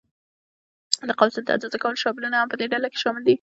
د قوسونو د اندازې کولو شابلونونه هم په دې ډله کې شامل دي.